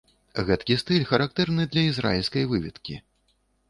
Гэткі стыль характэрны для ізраільскай выведкі.